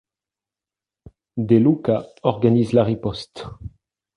De Lucca organise la riposte…